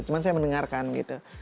cuma saya mendengarkan gitu